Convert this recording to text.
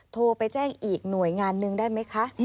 โทรไปแจ้งอีกหน่วยงานหนึ่งได้ไหมคะ